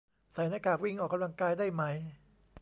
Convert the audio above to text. ใส่หน้ากากวิ่งออกกำลังกายได้ไหม